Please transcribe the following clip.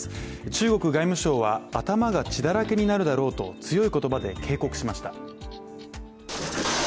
中国外務省は頭が血だらけになるだろうと強い言葉で警告しました。